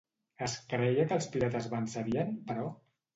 Es creia que els pirates vencerien, però?